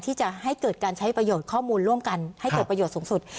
ที่จะให้เกิดการใช้ประโยชน์ข้อมูลร่วมกันให้เกิดประโยชน์สูงสุด